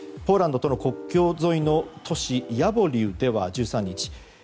ポーランドとの国境沿いの都市ヤボリウでは１３日